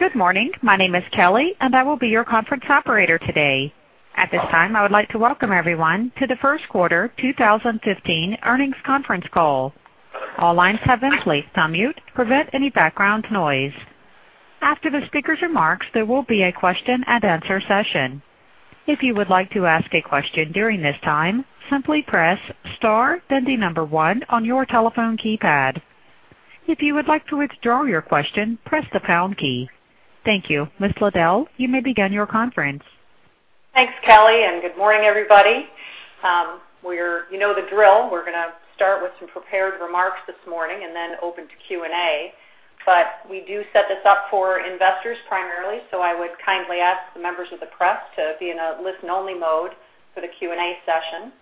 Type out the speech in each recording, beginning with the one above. Good morning. My name is Kelly, and I will be your conference operator today. At this time, I would like to welcome everyone to the first quarter 2015 earnings conference call. All lines have been placed on mute to prevent any background noise. After the speaker's remarks, there will be a question and answer session. If you would like to ask a question during this time, simply press star then the number 1 on your telephone keypad. If you would like to withdraw your question, press the pound key. Thank you. Ms. Liddell, you may begin your conference. Thanks, Kelly. Good morning, everybody. You know the drill. We're going to start with some prepared remarks this morning and then open to Q&A. We do set this up for investors primarily. I would kindly ask the members of the press to be in a listen-only mode for the Q&A session,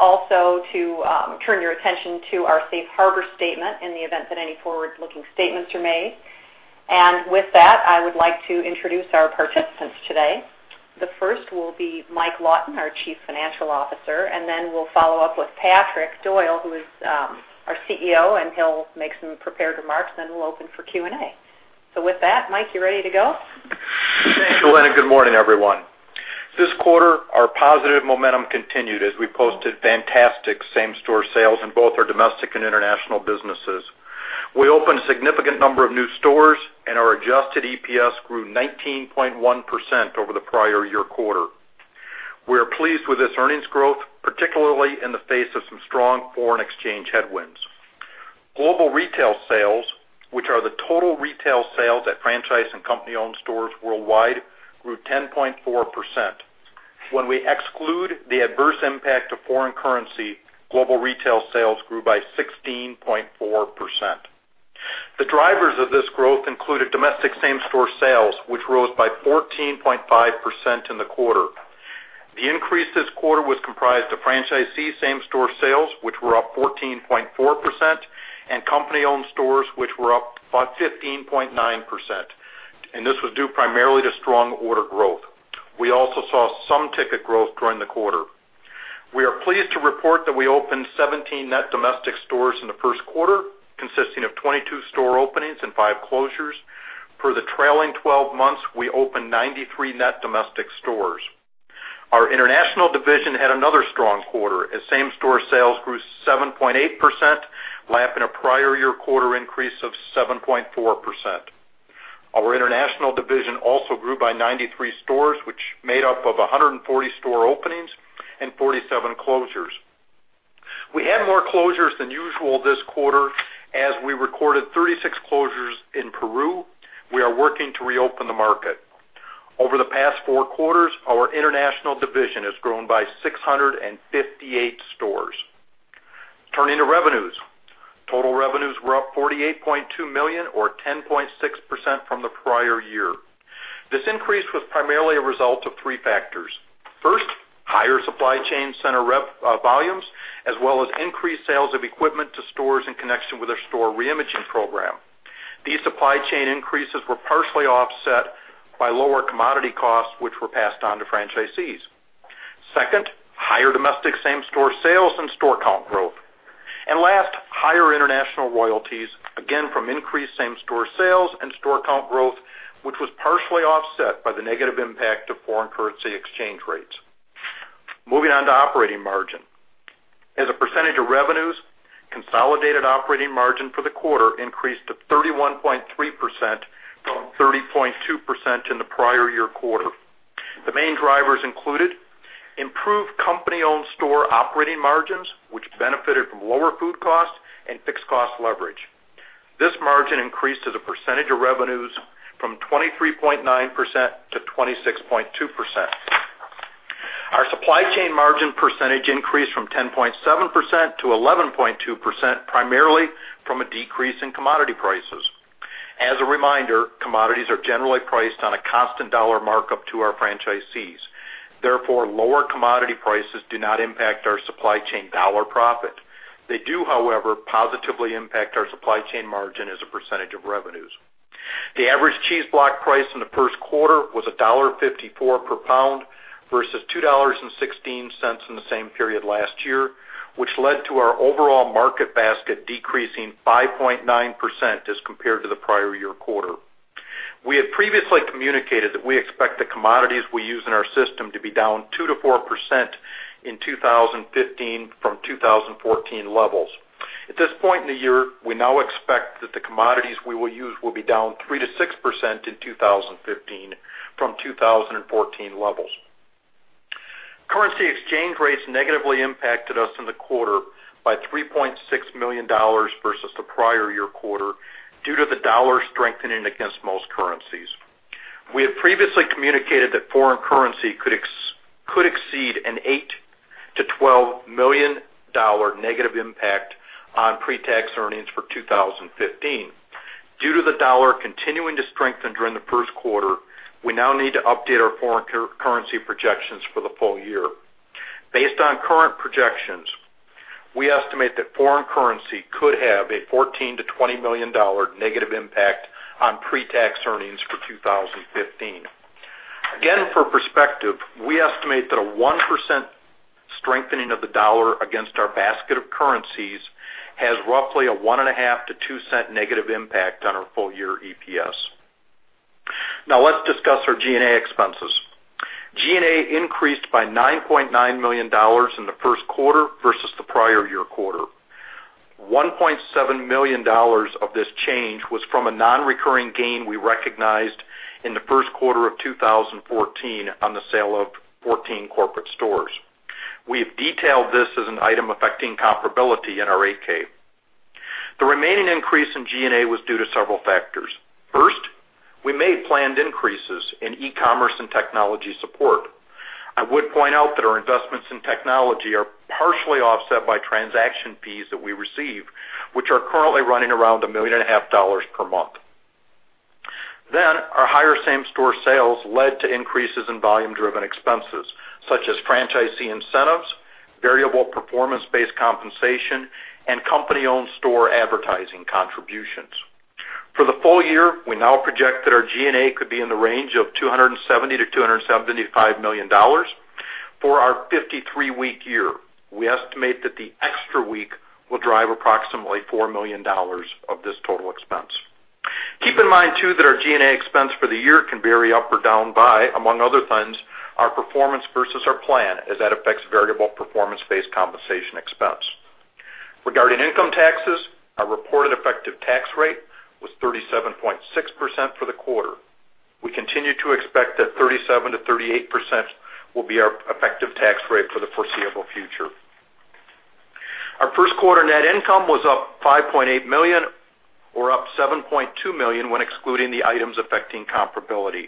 also to turn your attention to our safe harbor statement in the event that any forward-looking statements are made. With that, I would like to introduce our participants today. The first will be Mike Lawton, our Chief Financial Officer, then we'll follow up with Patrick Doyle, who is our CEO, he'll make some prepared remarks, then we'll open for Q&A. With that, Mike, you ready to go? Thanks, Lynn Liddell. Good morning, everyone. This quarter, our positive momentum continued as we posted fantastic same-store sales in both our domestic and international businesses. We opened a significant number of new stores, our adjusted EPS grew 19.1% over the prior year quarter. We are pleased with this earnings growth, particularly in the face of some strong foreign exchange headwinds. Global retail sales, which are the total retail sales at franchise and company-owned stores worldwide, grew 10.4%. When we exclude the adverse impact of foreign currency, global retail sales grew by 16.4%. The drivers of this growth included domestic same-store sales, which rose by 14.5% in the quarter. The increase this quarter was comprised of franchisee same-store sales, which were up 14.4%, and company-owned stores, which were up by 15.9%. This was due primarily to strong order growth. We also saw some ticket growth during the quarter. We are pleased to report that we opened 17 net domestic stores in the first quarter, consisting of 22 store openings and 5 closures. For the trailing 12 months, we opened 93 net domestic stores. Our international division had another strong quarter as same-store sales grew 7.8%, lapping a prior year quarter increase of 7.4%. Our international division also grew by 93 stores, which made up of 140 store openings and 47 closures. We had more closures than usual this quarter as we recorded 36 closures in Peru. We are working to reopen the market. Over the past 4 quarters, our international division has grown by 658 stores. Turning to revenues. Total revenues were up $48.2 million, or 10.6% from the prior year. This increase was primarily a result of 3 factors. First, higher supply chain center rev volumes, as well as increased sales of equipment to stores in connection with our store reimaging program. These supply chain increases were partially offset by lower commodity costs, which were passed on to franchisees. Second, higher domestic same-store sales and store count growth. Last, higher international royalties, again from increased same-store sales and store count growth, which was partially offset by the negative impact of foreign currency exchange rates. Moving on to operating margin. As a percentage of revenues, consolidated operating margin for the quarter increased to 31.3% from 30.2% in the prior year quarter. The main drivers included improved company-owned store operating margins, which benefited from lower food costs and fixed cost leverage. This margin increased as a percentage of revenues from 23.9% to 26.2%. Our supply chain margin percentage increased from 10.7% to 11.2%, primarily from a decrease in commodity prices. As a reminder, commodities are generally priced on a constant dollar markup to our franchisees. Therefore, lower commodity prices do not impact our supply chain dollar profit. They do, however, positively impact our supply chain margin as a percentage of revenues. The average cheese block price in the first quarter was $1.54 per pound versus $2.16 in the same period last year, which led to our overall market basket decreasing 5.9% as compared to the prior year quarter. We had previously communicated that we expect the commodities we use in our system to be down 2%-4% in 2015 from 2014 levels. At this point in the year, we now expect that the commodities we will use will be down 3%-6% in 2015 from 2014 levels. Currency exchange rates negatively impacted us in the quarter by $3.6 million versus the prior year quarter due to the dollar strengthening against most currencies. We had previously communicated that foreign currency could exceed an $8 million-$12 million negative impact on pre-tax earnings for 2015. Due to the dollar continuing to strengthen during the first quarter, we now need to update our foreign currency projections for the full year. Based on current projections, we estimate that foreign currency could have a $14 million-$20 million negative impact on pre-tax earnings for 2015. Again, for perspective, we estimate that a 1% strengthening of the dollar against our basket of currencies has roughly a $0.015-$0.02 negative impact on our full-year EPS. Now let's discuss our G&A expenses. G&A increased by $9.9 million in the first quarter versus the prior year quarter. $1.7 million of this change was from a non-recurring gain we recognized in the first quarter of 2014 on the sale of 14 corporate stores. We have detailed this as an item affecting comparability in our 8-K. The remaining increase in G&A was due to several factors. First, we made planned increases in e-commerce and technology support. I would point out that our investments in technology are partially offset by transaction fees that we receive, which are currently running around a million and a half dollars per month. Our higher same-store sales led to increases in volume-driven expenses such as franchisee incentives, variable performance-based compensation, and company-owned store advertising contributions. For the full year, we now project that our G&A could be in the range of $270 million-$275 million. For our 53-week year, we estimate that the extra week will drive approximately $4 million of this total expense. Keep in mind too, that our G&A expense for the year can vary up or down by, among other things, our performance versus our plan, as that affects variable performance-based compensation expense. Regarding income taxes, our reported effective tax rate was 37.6% for the quarter. We continue to expect that 37%-38% will be our effective tax rate for the foreseeable future. Our first quarter net income was up $5.8 million or up $7.2 million when excluding the items affecting comparability.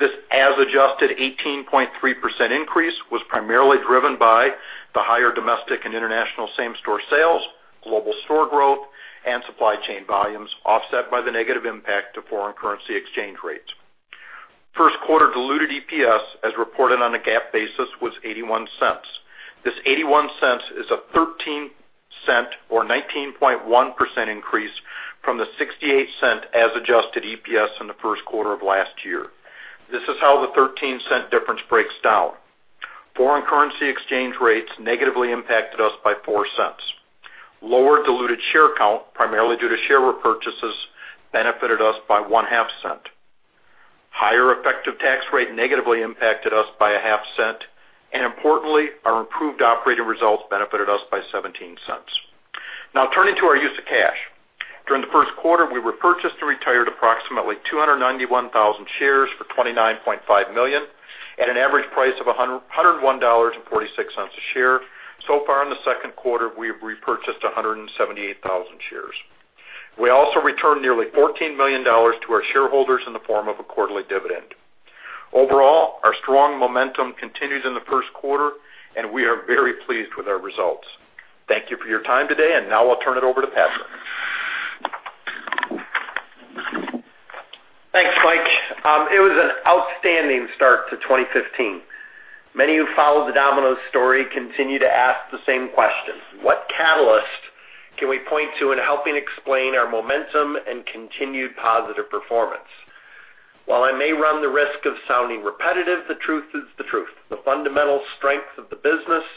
This, as adjusted, 18.3% increase was primarily driven by the higher domestic and international same-store sales, global store growth, and supply chain volumes, offset by the negative impact of foreign currency exchange rates. First quarter diluted EPS, as reported on a GAAP basis, was $0.81. This $0.81 is a $0.13 or 19.1% increase from the $0.68 as adjusted EPS in the first quarter of last year. This is how the $0.13 difference breaks down. Foreign currency exchange rates negatively impacted us by $0.04. Lower diluted share count, primarily due to share repurchases, benefited us by $0.005. Higher effective tax rate negatively impacted us by $0.005, and importantly, our improved operating results benefited us by $0.17. Turning to our use of cash. During the first quarter, we repurchased and retired approximately 291,000 shares for $29.5 million at an average price of $101.46 a share. So far in the second quarter, we have repurchased 178,000 shares. We also returned nearly $14 million to our shareholders in the form of a quarterly dividend. Overall, our strong momentum continues in the first quarter, and we are very pleased with our results. Thank you for your time today, and now I'll turn it over to Patrick. Thanks, Mike. It was an outstanding start to 2015. Many who follow the Domino's story continue to ask the same questions. What catalyst can we point to in helping explain our momentum and continued positive performance? While I may run the risk of sounding repetitive, the truth is the truth. The fundamental strength of the business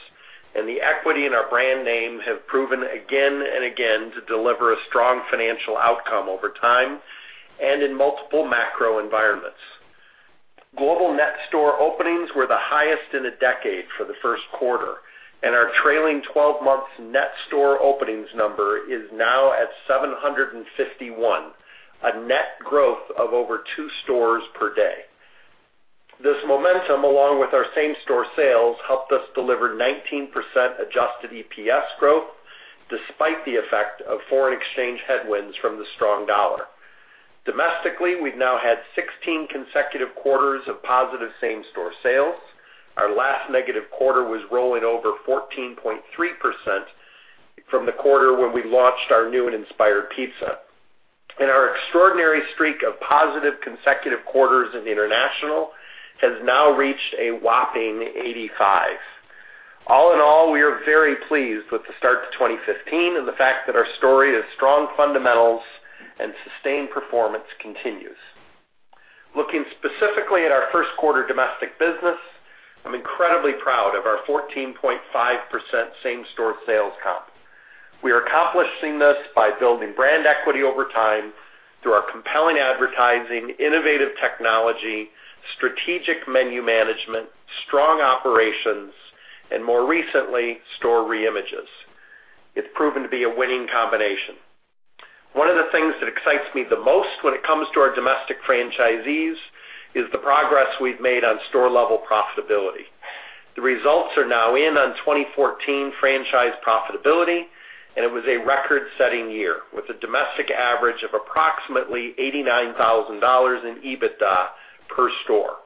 and the equity in our brand name have proven again and again to deliver a strong financial outcome over time and in multiple macro environments. Global net store openings were the highest in a decade for the first quarter, and our trailing 12 months net store openings number is now at 751, a net growth of over two stores per day. This momentum, along with our same-store sales, helped us deliver 19% adjusted EPS growth, despite the effect of foreign exchange headwinds from the strong U.S. dollar. Domestically, we've now had 16 consecutive quarters of positive same-store sales. Our last negative quarter was rolling over 14.3% from the quarter when we launched our new and inspired pizza. Our extraordinary streak of positive consecutive quarters in the international has now reached a whopping 85. All in all, we are very pleased with the start to 2015 and the fact that our story of strong fundamentals and sustained performance continues. Looking specifically at our first quarter domestic business, I'm incredibly proud of our 14.5% same-store sales comp. We are accomplishing this by building brand equity over time through our compelling advertising, innovative technology, strategic menu management, strong operations, and more recently, store reimages. It's proven to be a winning combination. One of the things that excites me the most when it comes to our domestic franchisees is the progress we've made on store-level profitability. The results are now in on 2014 franchise profitability, and it was a record-setting year, with a domestic average of approximately $89,000 in EBITDA per store.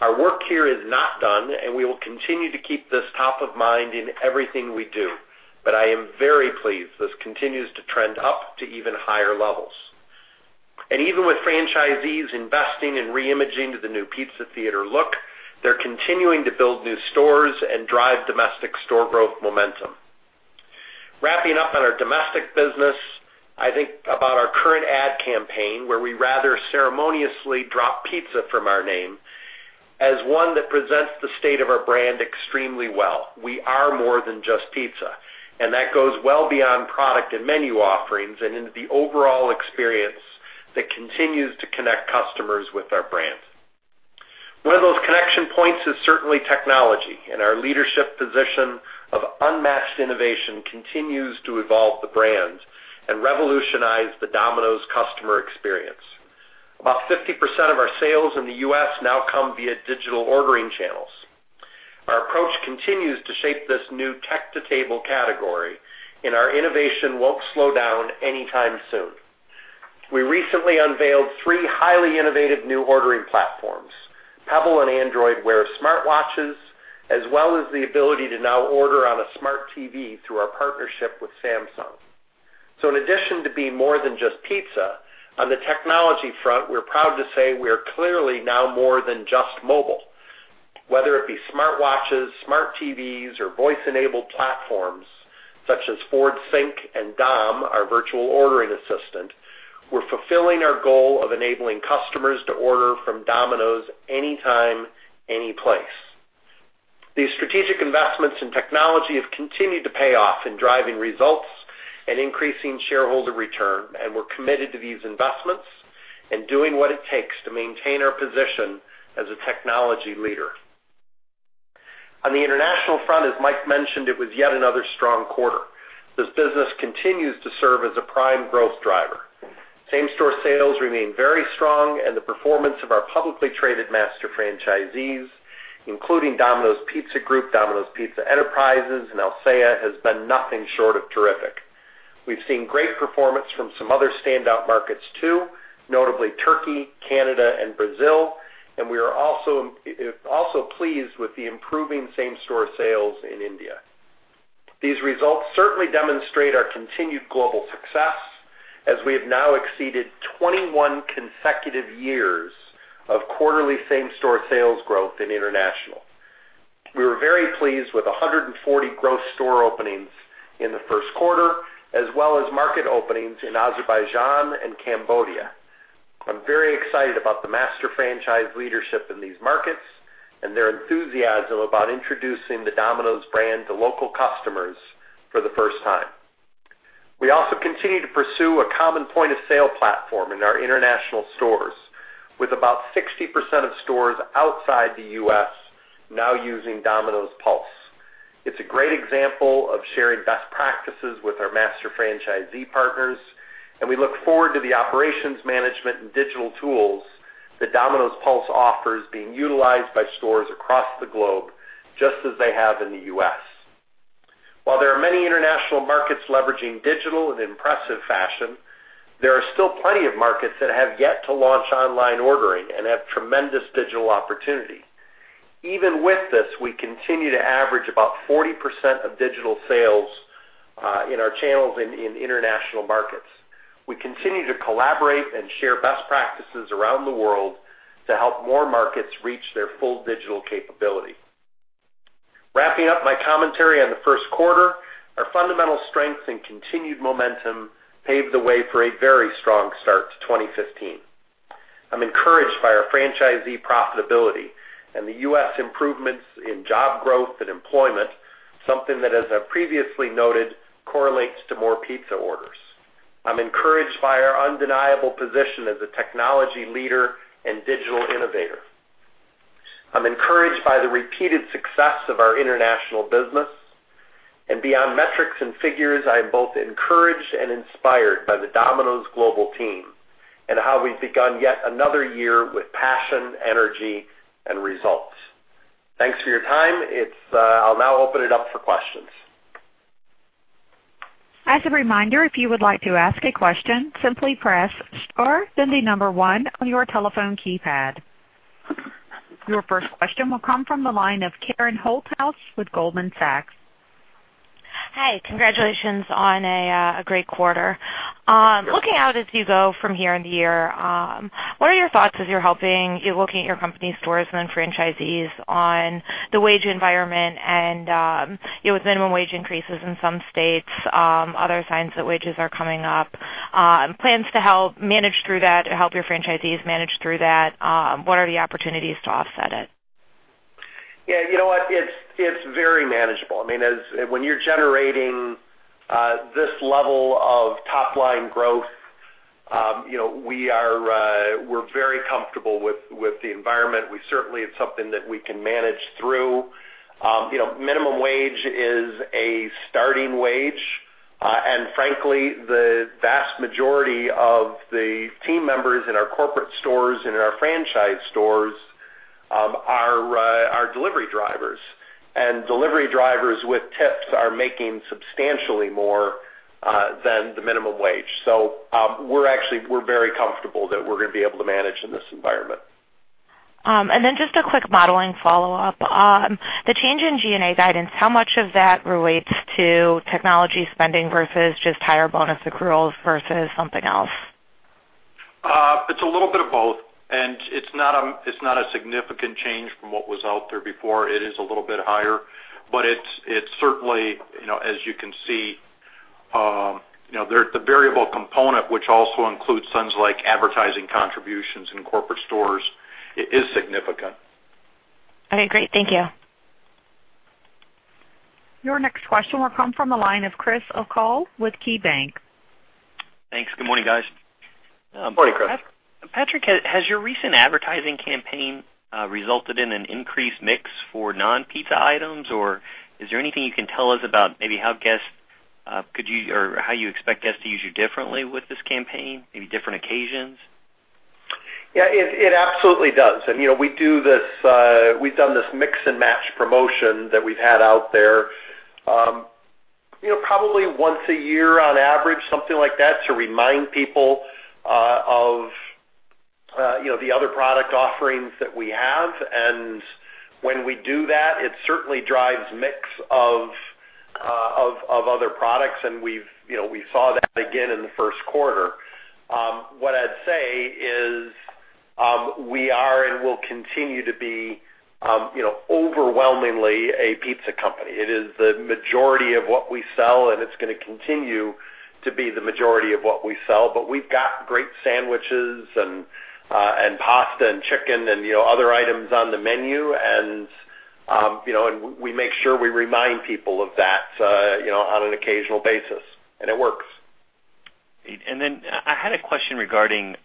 Our work here is not done, and we will continue to keep this top of mind in everything we do. I am very pleased this continues to trend up to even higher levels. Even with franchisees investing in reimaging to the new Pizza Theater look, they're continuing to build new stores and drive domestic store growth momentum. Wrapping up on our domestic business, I think about our current ad campaign, where we rather ceremoniously drop pizza from our name, as one that presents the state of our brand extremely well. We are more than just pizza, and that goes well beyond product and menu offerings and into the overall experience that continues to connect customers with our brand. One of those connection points is certainly technology, and our leadership position of unmatched innovation continues to evolve the brand and revolutionize the Domino’s customer experience. About 50% of our sales in the U.S. now come via digital ordering channels. Our approach continues to shape this new tech-to-table category, and our innovation won't slow down anytime soon. We recently unveiled three highly innovative new ordering platforms, Pebble and Android Wear smartwatches, as well as the ability to now order on a smart TV through our partnership with Samsung. In addition to being more than just pizza, on the technology front, we're proud to say we are clearly now more than just mobile. Whether it be smartwatches, smart TVs, or voice-enabled platforms such as Ford SYNC and Dom, our virtual ordering assistant, we're fulfilling our goal of enabling customers to order from Domino’s anytime, any place. These strategic investments in technology have continued to pay off in driving results and increasing shareholder return, and we're committed to these investments and doing what it takes to maintain our position as a technology leader. On the international front, as Mike mentioned, it was yet another strong quarter. This business continues to serve as a prime growth driver. Same-store sales remain very strong, and the performance of our publicly traded master franchisees, including Domino’s Pizza Group, Domino’s Pizza Enterprises, and Alsea, has been nothing short of terrific. We've seen great performance from some other standout markets too, notably Turkey, Canada and Brazil, and we are also pleased with the improving same-store sales in India. These results certainly demonstrate our continued global success as we have now exceeded 21 consecutive years of quarterly same-store sales growth in international. We were very pleased with 140 growth store openings in the first quarter, as well as market openings in Azerbaijan and Cambodia. I'm very excited about the master franchise leadership in these markets and their enthusiasm about introducing the Domino’s brand to local customers for the first time. We also continue to pursue a common point-of-sale platform in our international stores, with about 60% of stores outside the U.S. now using Domino’s Pulse. It's a great example of sharing best practices with our master franchisee partners, and we look forward to the operations management and digital tools that Domino’s Pulse offers being utilized by stores across the globe, just as they have in the U.S. While there are many international markets leveraging digital in impressive fashion, there are still plenty of markets that have yet to launch online ordering and have tremendous digital opportunity. Even with this, we continue to average about 40% of digital sales in our channels in international markets. We continue to collaborate and share best practices around the world to help more markets reach their full digital capability. Wrapping up my commentary on the first quarter, our fundamental strengths and continued momentum paved the way for a very strong start to 2015. I'm encouraged by our franchisee profitability and the U.S. improvements in job growth and employment, something that, as I've previously noted, correlates to more pizza orders. I'm encouraged by our undeniable position as a technology leader and digital innovator. I'm encouraged by the repeated success of our international business, and beyond metrics and figures, I am both encouraged and inspired by the Domino’s global team and how we've begun yet another year with passion, energy, and results. Thanks for your time. I'll now open it up for questions. As a reminder, if you would like to ask a question, simply press star then the number one on your telephone keypad. Your first question will come from the line of Karen Holthouse with Goldman Sachs. Hi. Congratulations on a great quarter. Looking out as you go from here in the year, what are your thoughts as you're looking at your company stores and then franchisees on the wage environment and with minimum wage increases in some states, other signs that wages are coming up, plans to help manage through that or help your franchisees manage through that, what are the opportunities to offset it? Yeah. You know what? It's very manageable. When you're generating this level of top-line growth, we're very comfortable with the environment. Certainly, it's something that we can manage through. Minimum wage is a starting wage, frankly, the vast majority of the team members in our corporate stores and in our franchise stores are delivery drivers. Delivery drivers with tips are making substantially more than the minimum wage. We're very comfortable that we're going to be able to manage in this environment. Just a quick modeling follow-up. The change in G&A guidance, how much of that relates to technology spending versus just higher bonus accruals versus something else? It's a little bit of both, and it's not a significant change from what was out there before. It is a little bit higher, but it's certainly, as you can see, the variable component, which also includes things like advertising contributions in corporate stores, it is significant. Okay, great. Thank you. Your next question will come from the line of Chris O'Cull with KeyBanc. Thanks. Good morning, guys. Morning, Chris. Patrick, has your recent advertising campaign resulted in an increased mix for non-pizza items, or is there anything you can tell us about maybe how you expect guests to use you differently with this campaign, maybe different occasions? Yeah, it absolutely does. We've done this Mix & Match promotion that we've had out there probably once a year on average, something like that, to remind people of the other product offerings that we have. When we do that, it certainly drives mix of other products, and we saw that again in the first quarter. What I'd say is we are and will continue to be overwhelmingly a pizza company. It is the majority of what we sell, and it's going to continue to be the majority of what we sell. We've got great sandwiches and pasta and chicken and other items on the menu, and we make sure we remind people of that on an occasional basis, and it works. I had a question regarding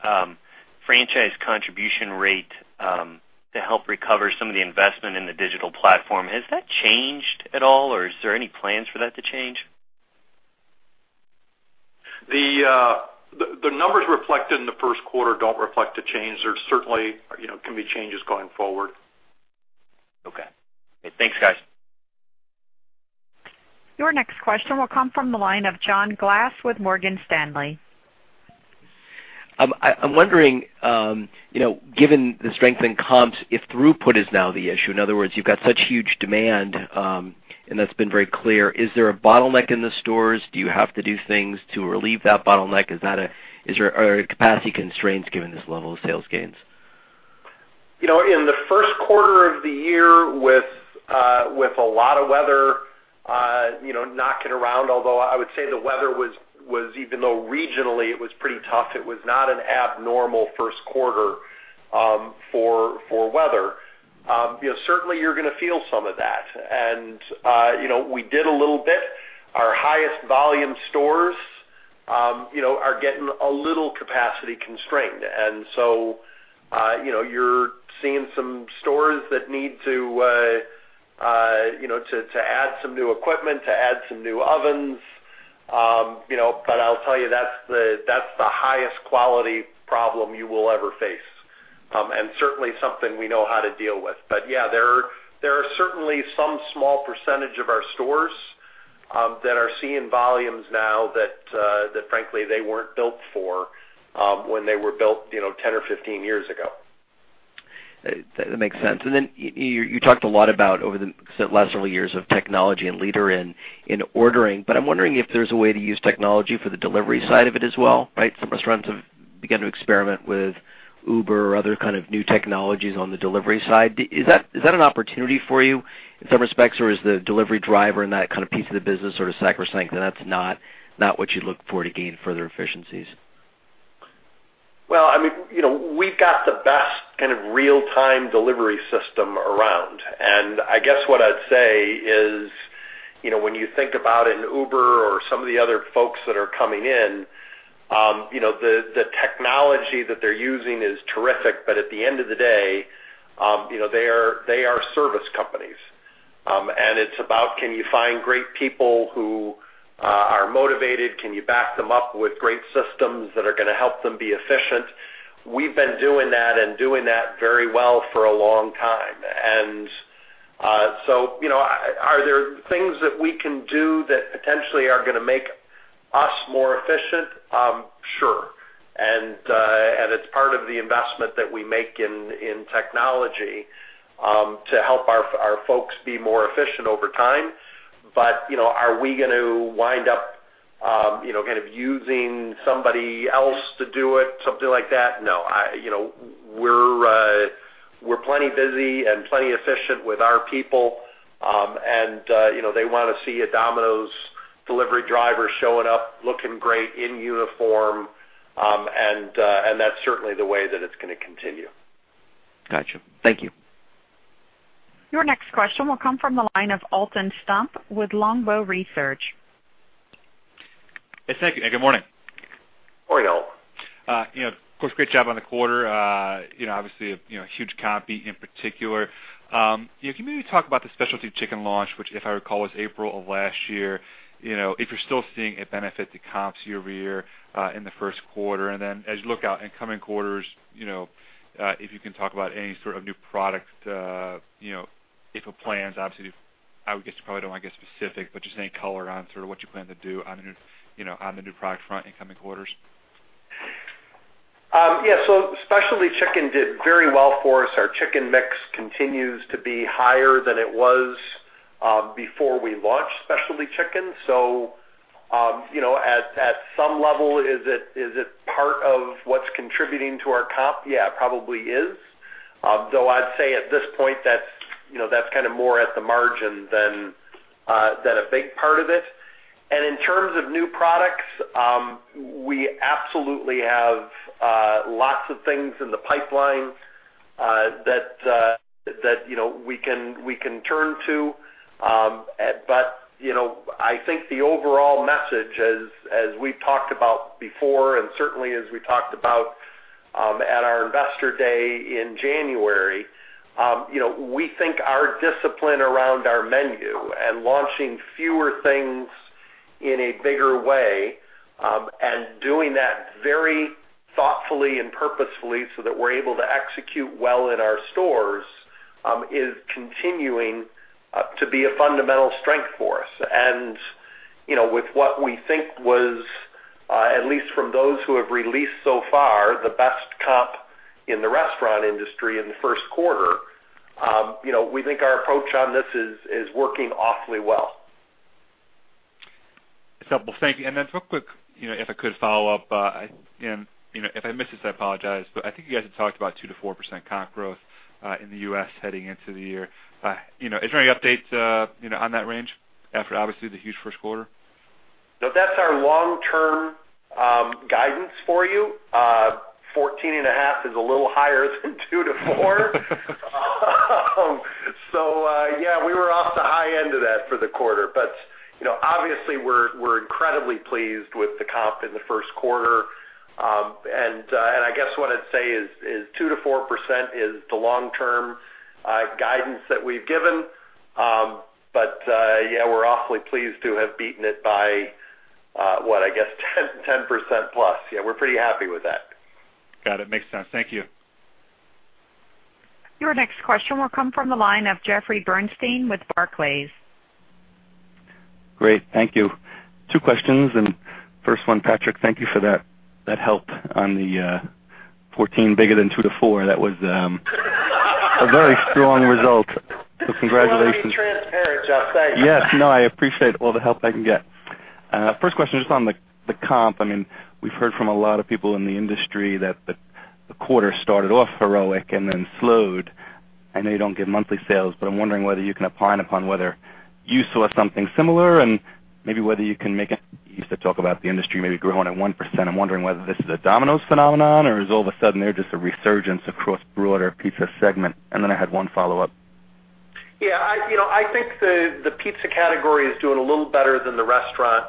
franchise contribution rate to help recover some of the investment in the digital platform. Has that changed at all, or is there any plans for that to change? The numbers reflected in the first quarter don't reflect a change. There certainly can be changes going forward. Okay. Thanks, guys. Your next question will come from the line of John Glass with Morgan Stanley. I'm wondering, given the strength in comps, if throughput is now the issue. In other words, you've got such huge demand, and that's been very clear. Is there a bottleneck in the stores? Do you have to do things to relieve that bottleneck? Are there capacity constraints given this level of sales gains? In the first quarter of the year with a lot of weather knocking around, although I would say the weather was, even though regionally it was pretty tough, it was not an abnormal first quarter for weather. Certainly you're going to feel some of that. We did a little bit. Our highest volume stores are getting a little capacity constrained, so you're seeing some stores that need to add some new equipment, to add some new ovens. I'll tell you, that's the highest quality problem you will ever face, and certainly something we know how to deal with. Yeah, there are certainly some small percentage of our stores that are seeing volumes now that frankly, they weren't built for when they were built 10 or 15 years ago. That makes sense. You talked a lot about over the last several years of technology and leader in ordering, I'm wondering if there's a way to use technology for the delivery side of it as well, right? Some restaurants have begun to experiment with Uber or other kind of new technologies on the delivery side. Is that an opportunity for you in some respects, or is the delivery driver and that kind of piece of the business sort of sacrosanct and that's not what you look for to gain further efficiencies? Well, we've got the best kind of real-time delivery system around. I guess what I'd say is, when you think about an Uber or some of the other folks that are coming in, the technology that they're using is terrific, at the end of the day, they are service companies. It's about can you find great people who are motivated? Can you back them up with great systems that are going to help them be efficient? We've been doing that and doing that very well for a long time. So are there things that we can do that potentially are going to make us more efficient? Sure. It's part of the investment that we make in technology to help our folks be more efficient over time. Are we going to wind up kind of using somebody else to do it, something like that? No. We're plenty busy and plenty efficient with our people. They want to see a Domino's delivery driver showing up looking great in uniform. That's certainly the way that it's going to continue. Got you. Thank you. Your next question will come from the line of Alton Stump with Longbow Research. Yes, thank you, and good morning. Morning, Alton. Of course, great job on the quarter. Obviously a huge comp in particular. Can you maybe talk about the Specialty Chicken launch, which, if I recall, was April of last year, if you're still seeing a benefit to comps year-over-year in the first quarter? As you look out in coming quarters, if you can talk about any sort of new product plans, obviously, I would guess you probably don't want to get specific, but just any color on sort of what you plan to do on the new product front in coming quarters. Yeah. Specialty Chicken did very well for us. Our chicken mix continues to be higher than it was Before we launch Specialty Chicken. At some level, is it part of what's contributing to our comp? Yeah, probably is. Though I'd say at this point that's more at the margin than a big part of it. In terms of new products, we absolutely have lots of things in the pipeline that we can turn to. I think the overall message as we've talked about before, and certainly as we talked about at our investor day in January, we think our discipline around our menu and launching fewer things in a bigger way, and doing that very thoughtfully and purposefully so that we're able to execute well in our stores, is continuing to be a fundamental strength for us. With what we think was, at least from those who have released so far, the best comp in the restaurant industry in the first quarter. We think our approach on this is working awfully well. Simple. Thank you. Real quick, if I could follow up, if I missed this, I apologize, I think you guys had talked about 2%-4% comp growth in the U.S. heading into the year. Is there any updates on that range after obviously the huge first quarter? No, that's our long-term guidance for you. 14.5% is a little higher than 2%-4%. Yeah, we were off the high end of that for the quarter. Obviously, we're incredibly pleased with the comp in the first quarter. I guess what I'd say is 2%-4% is the long-term guidance that we've given. Yeah, we're awfully pleased to have beaten it by, what I guess, 10%+. We're pretty happy with that. Got it. Makes sense. Thank you. Your next question will come from the line of Jeffrey Bernstein with Barclays. Great. Thank you. Two questions. First one, Patrick, thank you for that help on the 14 bigger than 2-4. That was a very strong result. Congratulations. You want to be transparent, Jeff. Thanks. Yes, no, I appreciate all the help I can get. First question is just on the comp. We've heard from a lot of people in the industry that the quarter started off heroic and then slowed. I know you don't give monthly sales, but I'm wondering whether you can opine upon whether you saw something similar. You used to talk about the industry maybe growing at 1%. I'm wondering whether this is a Domino's phenomenon or is all of a sudden there just a resurgence across broader pizza segment. I had one follow-up. Yeah. I think the pizza category is doing a little better than the restaurant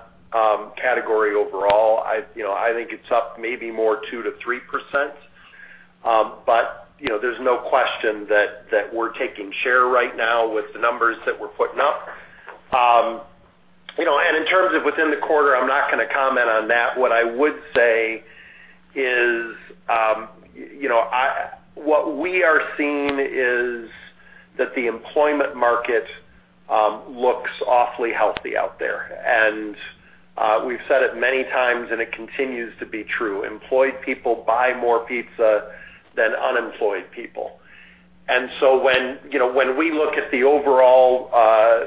category overall. I think it's up maybe more 2%-3%, there's no question that we're taking share right now with the numbers that we're putting up. In terms of within the quarter, I'm not going to comment on that. What I would say is, what we are seeing is that the employment market looks awfully healthy out there. We've said it many times, and it continues to be true. Employed people buy more pizza than unemployed people. When we look at the overall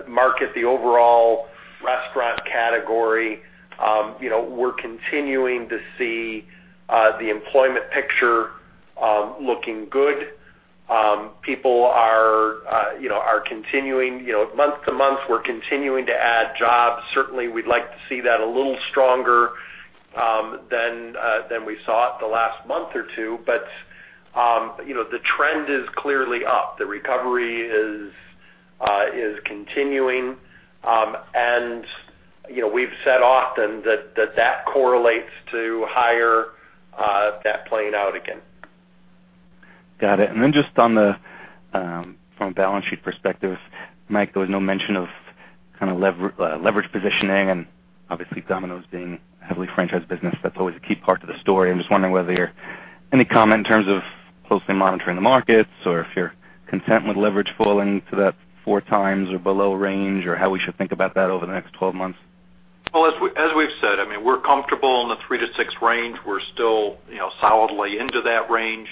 market, the overall restaurant category, we're continuing to see the employment picture looking good. Month to month, we're continuing to add jobs. Certainly, we'd like to see that a little stronger than we saw it the last month or two. The trend is clearly up. The recovery is continuing, and we've said often that correlates to higher, that playing out again. Got it. Just from a balance sheet perspective, Mike, there was no mention of leverage positioning and obviously Domino's being a heavily franchised business, that's always a key part to the story. I'm just wondering whether Any comment in terms of closely monitoring the markets or if you're content with leverage falling to that 4 times or below range, or how we should think about that over the next 12 months? Well, as we've said, we're comfortable in the 3 to 6 range. We're still solidly into that range.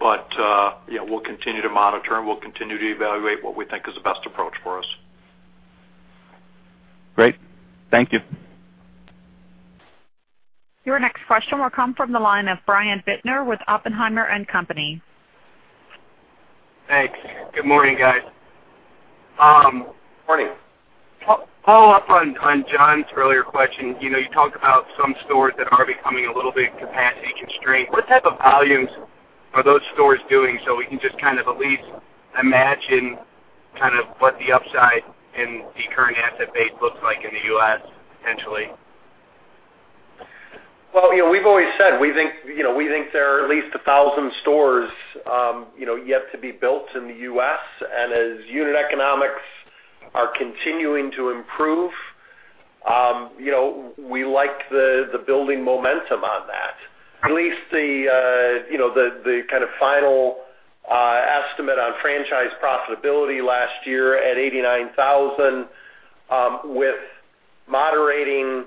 We'll continue to monitor and we'll continue to evaluate what we think is the best approach for us. Great. Thank you. Your next question will come from the line of Brian Bittner with Oppenheimer & Co. Thanks. Good morning, guys. Morning. Follow up on John's earlier question. You talked about some stores that are becoming a little bit capacity constrained. What type of volumes are those stores doing so we can just at least imagine what the upside in the current asset base looks like in the U.S. potentially? Well, we've always said, we think there are at least 1,000 stores yet to be built in the U.S. As unit economics are continuing to improve, we like the building momentum on that. At least the kind of final estimate on franchise profitability last year at 89,000, with moderating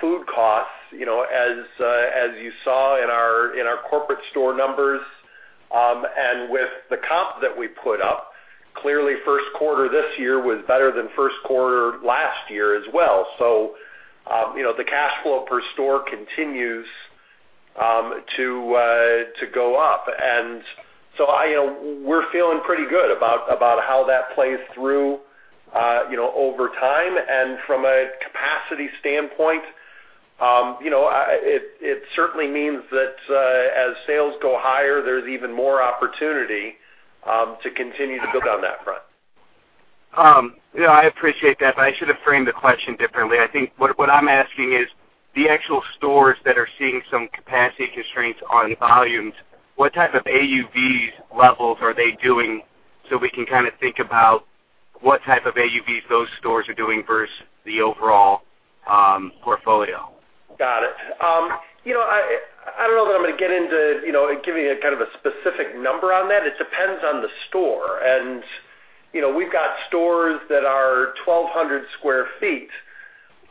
food costs, as you saw in our corporate store numbers. With the comp that we put up, clearly first quarter this year was better than first quarter last year as well. The cash flow per store continues to go up. We're feeling pretty good about how that plays through over time. From a capacity standpoint, it certainly means that as sales go higher, there's even more opportunity to continue to build on that front. Yeah, I appreciate that. I should have framed the question differently. I think what I'm asking is the actual stores that are seeing some capacity constraints on volumes, what type of AUVs levels are they doing so we can think about what type of AUVs those stores are doing versus the overall portfolio? Got it. I don't know that I'm going to get into giving a kind of a specific number on that. It depends on the store. We've got stores that are 1,200 sq ft,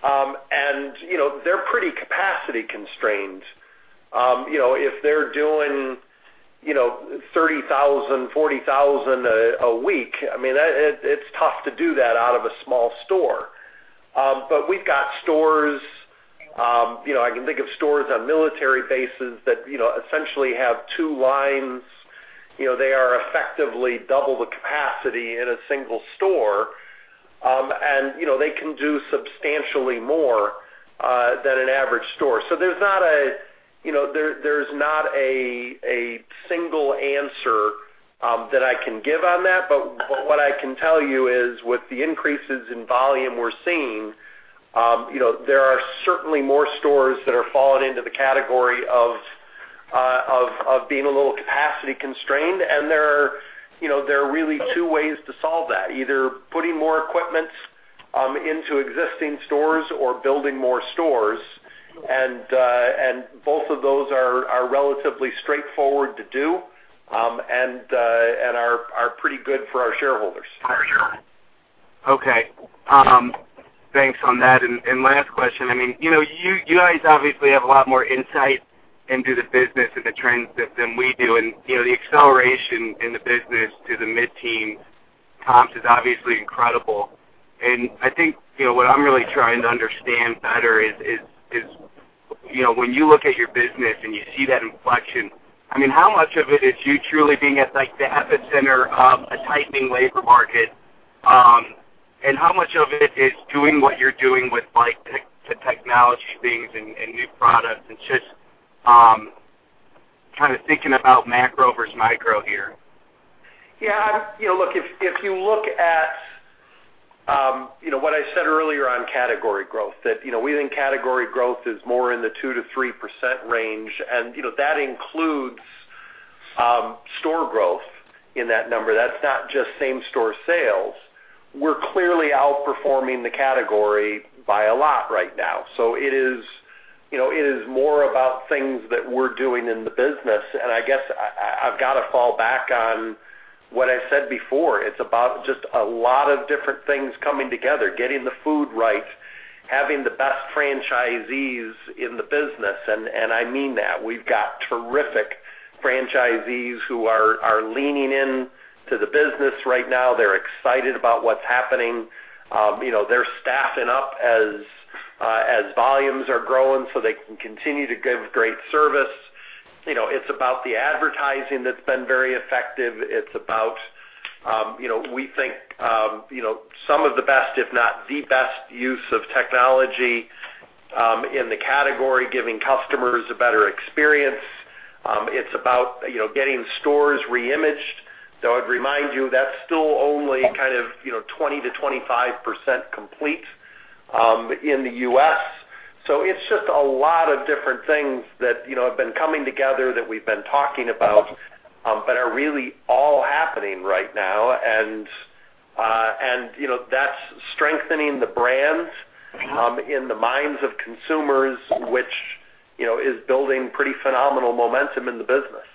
and they're pretty capacity constrained. If they're doing $30,000, $40,000 a week, it's tough to do that out of a small store. We've got stores, I can think of stores on military bases that essentially have two lines. They are effectively double the capacity in a single store, and they can do substantially more than an average store. There's not a single answer that I can give on that, but what I can tell you is with the increases in volume we're seeing, there are certainly more stores that are falling into the category of being a little capacity constrained. There are really two ways to solve that, either putting more equipment into existing stores or building more stores. Both of those are relatively straightforward to do, and are pretty good for our shareholders. Okay. Thanks on that. Last question, you guys obviously have a lot more insight into the business and the trends than we do. The acceleration in the business to the mid-teen comps is obviously incredible. I think what I'm really trying to understand better is when you look at your business and you see that inflection, how much of it is you truly being at the epicenter of a tightening labor market? How much of it is doing what you're doing with the technology things and new products and just kind of thinking about macro versus micro here? Look, if you look at what I said earlier on category growth, that we think category growth is more in the 2%-3% range, and that includes store growth in that number. That's not just same-store sales. We're clearly outperforming the category by a lot right now. It is more about things that we're doing in the business. I guess I've got to fall back on what I said before. It's about just a lot of different things coming together, getting the food right, having the best franchisees in the business. I mean that. We've got terrific franchisees who are leaning into the business right now. They're excited about what's happening. They're staffing up as volumes are growing so they can continue to give great service. It's about the advertising that's been very effective. It's about, we think some of the best, if not the best use of technology, in the category, giving customers a better experience. It's about getting stores re-imaged. I'd remind you, that's still only kind of 20%-25% complete in the U.S. It's just a lot of different things that have been coming together that we've been talking about, but are really all happening right now. That's strengthening the brand in the minds of consumers, which is building pretty phenomenal momentum in the business.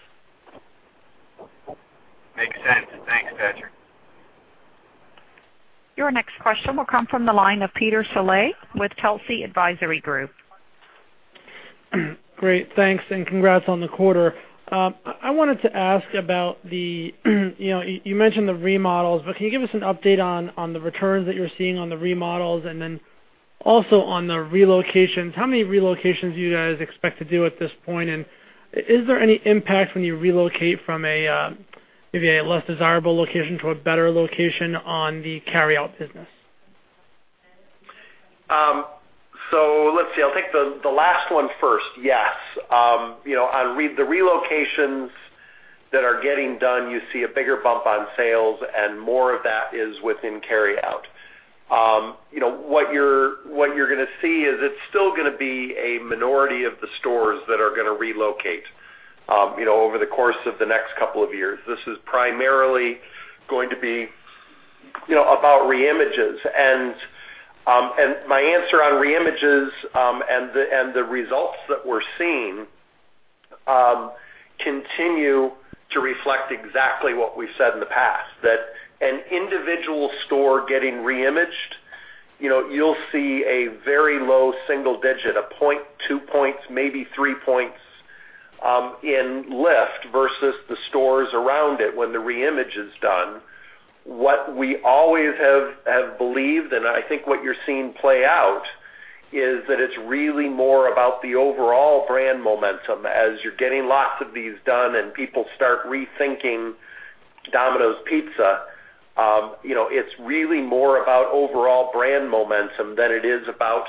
Makes sense. Thanks, Patrick. Your next question will come from the line of Peter Saleh with Telsey Advisory Group. Great. Thanks and congrats on the quarter. I wanted to ask about the you mentioned the remodels, can you give us an update on the returns that you're seeing on the remodels and then also on the relocations? How many relocations do you guys expect to do at this point? Is there any impact when you relocate from maybe a less desirable location to a better location on the carryout business? Let's see. I'll take the last one first. Yes. On the relocations that are getting done, you see a bigger bump on sales and more of that is within carryout. What you're going to see is it's still going to be a minority of the stores that are going to relocate over the course of the next couple of years. This is primarily going to be about re-images. My answer on re-images, and the results that we're seeing continue reflect exactly what we've said in the past, that an individual store getting re-imaged, you'll see a very low single digit, a one point, two points, maybe three points, in lift versus the stores around it when the re-image is done. What we always have believed, and I think what you're seeing play out, is that it's really more about the overall brand momentum. As you're getting lots of these done and people start rethinking Domino's Pizza, it's really more about overall brand momentum than it is about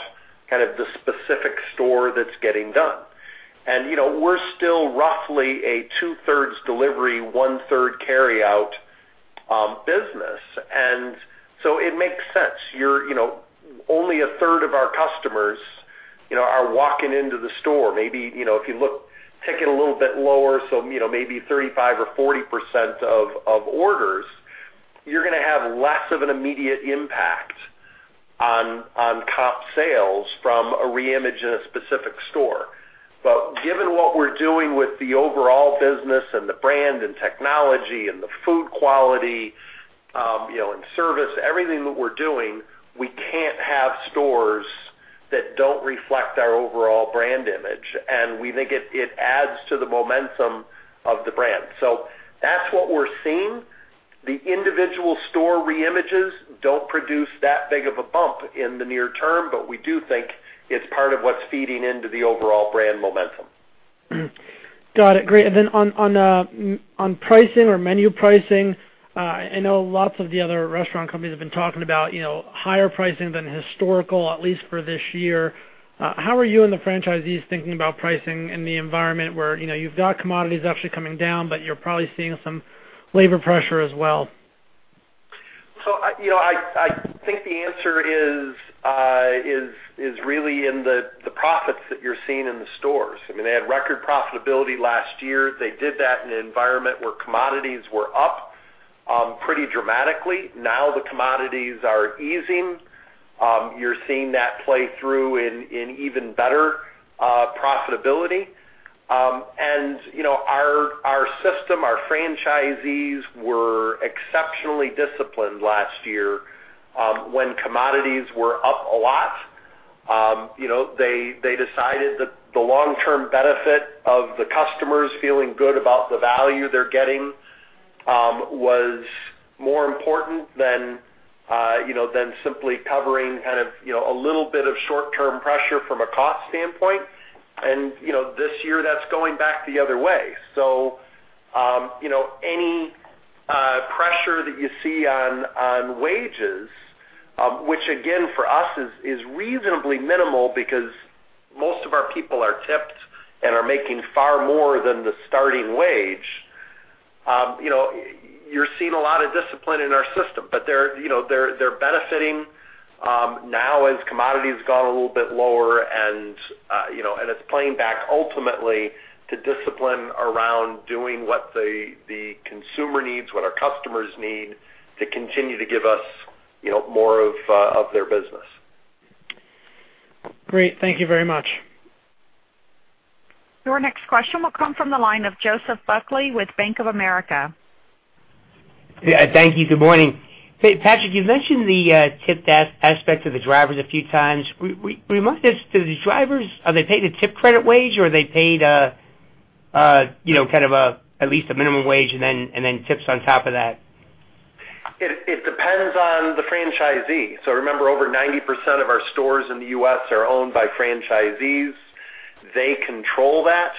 the specific store that's getting done. We're still roughly a two-thirds delivery, one-third carryout business. It makes sense. Only a third of our customers are walking into the store. Maybe if you take it a little bit lower, so maybe 35% or 40% of orders, you're going to have less of an immediate impact on top sales from a re-image in a specific store. Given what we're doing with the overall business and the brand and technology and the food quality, and service, everything that we're doing, we can't have stores that don't reflect our overall brand image. We think it adds to the momentum of the brand. That's what we're seeing. The individual store re-images don't produce that big of a bump in the near term, we do think it's part of what's feeding into the overall brand momentum. Got it. Great. Then on pricing or menu pricing, I know lots of the other restaurant companies have been talking about higher pricing than historical, at least for this year. How are you and the franchisees thinking about pricing in the environment where you've got commodities actually coming down, but you're probably seeing some labor pressure as well? I think the answer is really in the profits that you're seeing in the stores. They had record profitability last year. They did that in an environment where commodities were up pretty dramatically. Now the commodities are easing. You're seeing that play through in even better profitability. Our system, our franchisees were exceptionally disciplined last year when commodities were up a lot. They decided that the long-term benefit of the customers feeling good about the value they're getting was more important than simply covering a little bit of short-term pressure from a cost standpoint. This year, that's going back the other way. Any pressure that you see on wages, which again, for us, is reasonably minimal because most of our people are tipped and are making far more than the starting wage. You're seeing a lot of discipline in our system. They're benefiting now as commodities have gone a little bit lower, and it's playing back ultimately to discipline around doing what the consumer needs, what our customers need to continue to give us more of their business. Great. Thank you very much. Your next question will come from the line of Joseph Buckley with Bank of America. Yeah, thank you. Good morning. Hey, Patrick, you've mentioned the tip aspect of the drivers a few times. Remind us, do the drivers, are they paid a tip credit wage or are they paid at least a minimum wage and then tips on top of that? It depends on the franchisee. Remember, over 90% of our stores in the U.S. are owned by franchisees. They control that.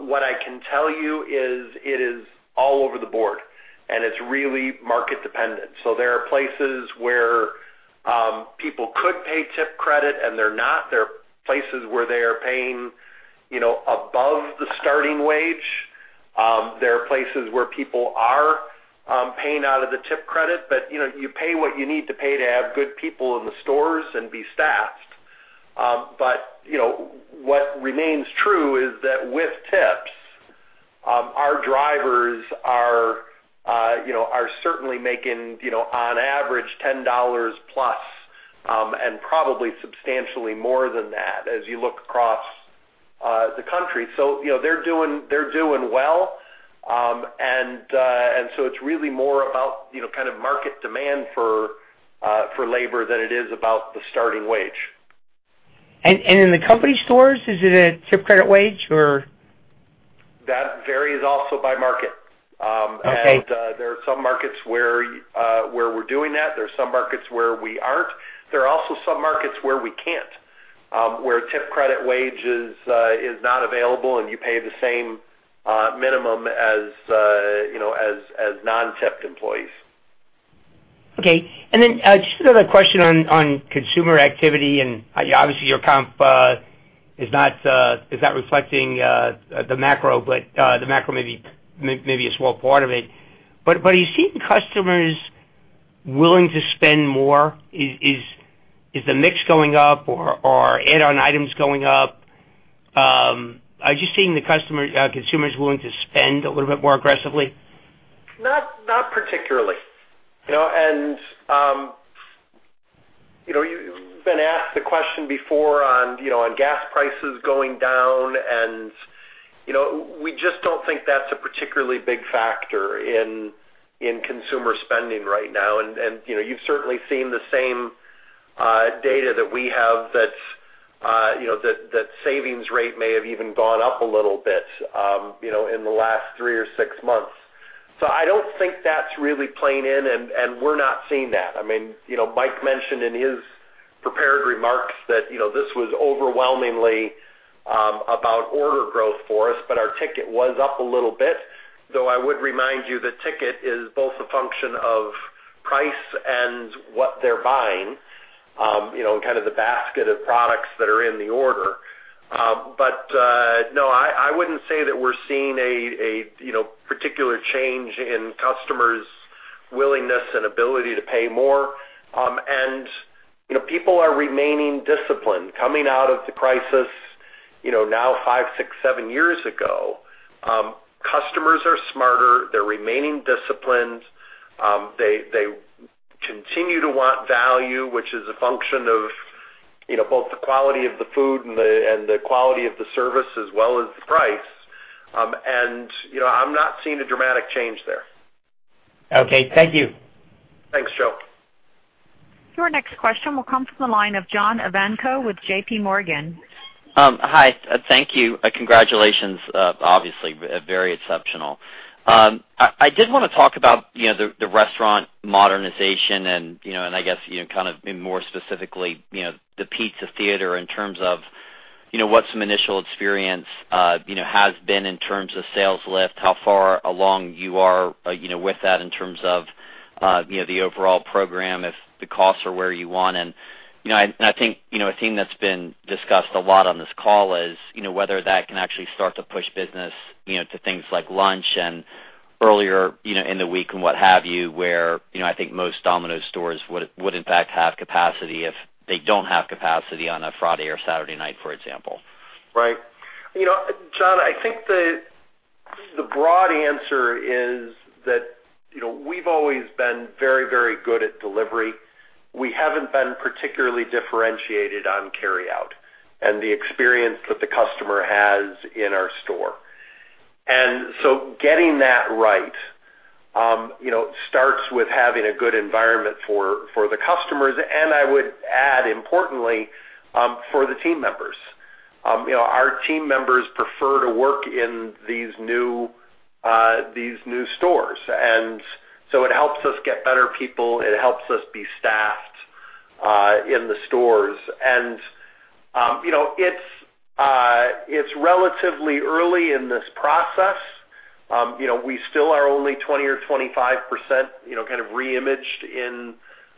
What I can tell you is it is all over the board, and it's really market-dependent. There are places where people could pay tip credit and they're not. There are places where they are paying above the starting wage. There are places where people are paying out of the tip credit, you pay what you need to pay to have good people in the stores and be staffed. What remains true is that with tips, our drivers are certainly making, on average, $10 plus, and probably substantially more than that as you look across the country. They're doing well, it's really more about market demand for labor than it is about the starting wage. In the company stores, is it a tip credit wage or? That varies also by market. Okay. There are some markets where we're doing that. There are some markets where we aren't. There are also some markets where we can't, where tip credit wage is not available, and you pay the same minimum as non-tipped employees. Okay. Just another question on consumer activity, and obviously your comp is not reflecting the macro, but the macro may be a small part of it. Are you seeing customers willing to spend more? Is the mix going up or add-on items going up? Are you seeing the consumers willing to spend a little bit more aggressively? Not particularly. You've been asked the question before on gas prices going down, and we just don't think that's a particularly big factor in consumer spending right now. You've certainly seen the same data that we have that savings rate may have even gone up a little bit in the last three or six months. I don't think that's really playing in, and we're not seeing that. Mike mentioned in his prepared remarks that this was overwhelmingly about order growth for us, but our ticket was up a little bit. Though I would remind you that ticket is both a function of price and what they're buying, kind of the basket of products that are in the order. No, I wouldn't say that we're seeing a particular change in customers' willingness and ability to pay more. People are remaining disciplined. Coming out of the crisis now five, six, seven years ago, customers are smarter, they're remaining disciplined. They continue to want value, which is a function of both the quality of the food and the quality of the service as well as the price. I'm not seeing a dramatic change there. Okay, thank you. Thanks, Joe. Your next question will come from the line of John Ivankoe with JPMorgan. Hi. Thank you. Congratulations, obviously, very exceptional. I did want to talk about the restaurant modernization and, I guess, kind of more specifically, the Pizza Theater in terms of what some initial experience has been in terms of sales lift, how far along you are with that in terms of the overall program, if the costs are where you want. I think a thing that's been discussed a lot on this call is whether that can actually start to push business to things like lunch and earlier in the week and what have you, where I think most Domino's stores would in fact have capacity if they don't have capacity on a Friday or Saturday night, for example. Right. John, I think the broad answer is that we've always been very good at delivery. We haven't been particularly differentiated on carry-out and the experience that the customer has in our store. So getting that right starts with having a good environment for the customers and I would add, importantly, for the team members. Our team members prefer to work in these new stores. So it helps us get better people, it helps us be staffed in the stores. It's relatively early in this process. We still are only 20% or 25% kind of re-imaged in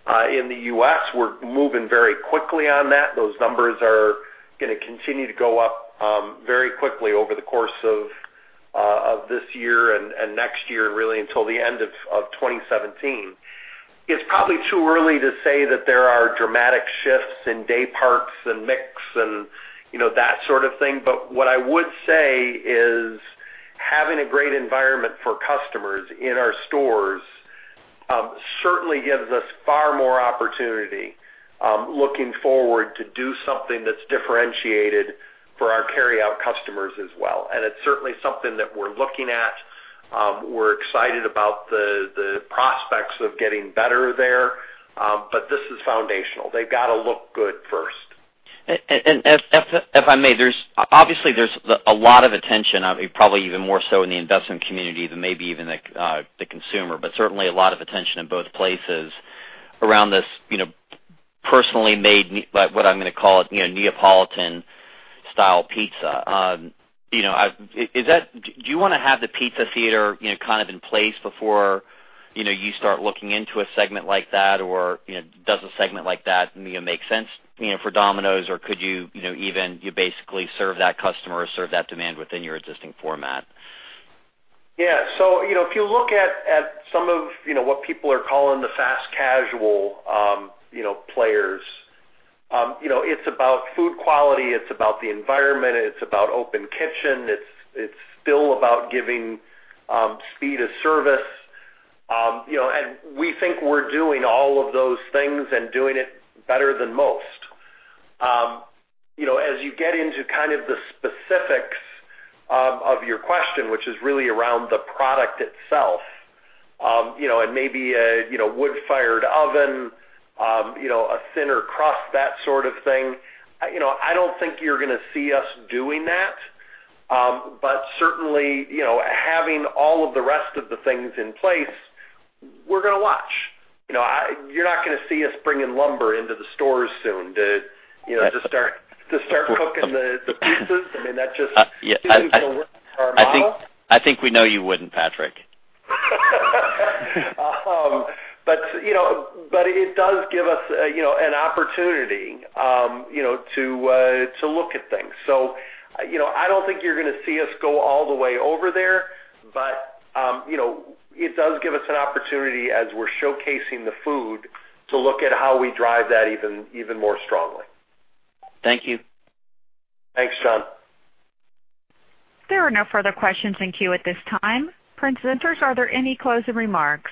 the U.S. We're moving very quickly on that. Those numbers are going to continue to go up very quickly over the course of this year and next year, really until the end of 2017. It's probably too early to say that there are dramatic shifts in day parts and mix and that sort of thing, what I would say is having a great environment for customers in our stores certainly gives us far more opportunity looking forward to do something that's differentiated for our carry-out customers as well. It's certainly something that we're looking at. We're excited about the prospects of getting better there. This is foundational. They've got to look good first. If I may, obviously there's a lot of attention, probably even more so in the investment community than maybe even the consumer, but certainly a lot of attention in both places around this personally made, what I'm going to call it, Neapolitan-style pizza. Do you want to have the Pizza Theater in place before you start looking into a segment like that, or does a segment like that make sense for Domino's? Or could you even basically serve that customer or serve that demand within your existing format? If you look at some of what people are calling the fast casual players, it's about food quality, it's about the environment, it's about open kitchen. It's still about giving speed of service. We think we're doing all of those things and doing it better than most. As you get into kind of the specifics of your question, which is really around the product itself, and maybe a wood-fired oven, a thinner crust, that sort of thing, I don't think you're going to see us doing that. Certainly, having all of the rest of the things in place, we're going to watch. You're not going to see us bringing lumber into the stores soon to start cooking the pizzas. That just isn't going to work for our model. I think we know you wouldn't, Patrick. It does give us an opportunity to look at things. I don't think you're going to see us go all the way over there, it does give us an opportunity as we're showcasing the food to look at how we drive that even more strongly. Thank you. Thanks, John. There are no further questions in queue at this time. Presenters, are there any closing remarks?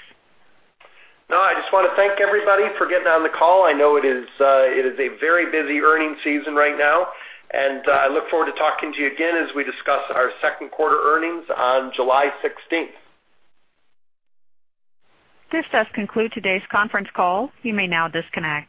No, I just want to thank everybody for getting on the call. I know it is a very busy earnings season right now, and I look forward to talking to you again as we discuss our second quarter earnings on July 16th. This does conclude today's conference call. You may now disconnect.